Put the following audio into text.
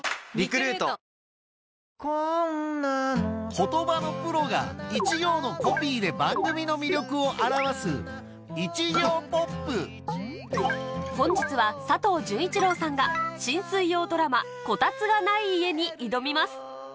言葉のプロが一行のコピーで番組の魅力を表す本日は佐藤潤一郎さんが新水曜ドラマ『コタツがない家』に挑みます